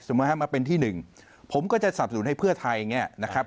มาเป็นที่หนึ่งผมก็จะสับสนุนให้เพื่อไทยเนี่ยนะครับ